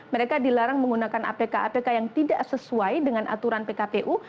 mereka dilarang menggunakan apk apk yang tidak sesuai dengan aturan pkpu